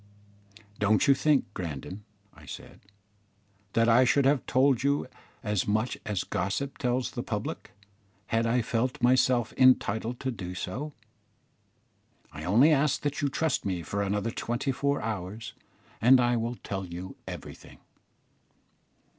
"Don't you think, Grandon," I said, "that I should have told you as much as gossip tells the public, had I felt myself entitled to do so? I only ask you to trust me for another twenty four hours, and I will tell you everything."